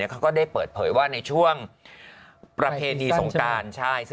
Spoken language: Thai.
เขาก็ได้เปิดเผยว่าในช่วงประเพณีสงการ